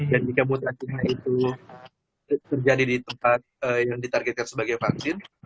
dan jika mutasinya itu terjadi di tempat yang ditargetkan sebagai vaksin